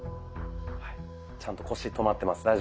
はいちゃんと腰止まってます。